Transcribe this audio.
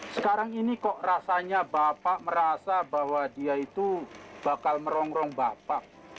sekarang ini kok rasanya bapak merasa bahwa dia itu bakal merongrong bapak